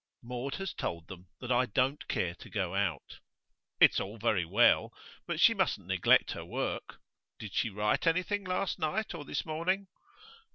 'Maud has told them that I don't care to go out.' 'It's all very well, but she mustn't neglect her work. Did she write anything last night or this morning?